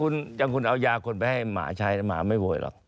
นั้นคุณเอายากลไปให้หมาใช้